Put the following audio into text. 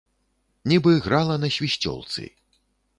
Нібы грала на свісцёлцы.